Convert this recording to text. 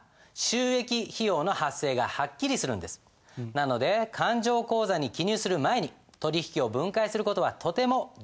なので勘定口座に記入する前に取引を分解する事はとても重要なんです。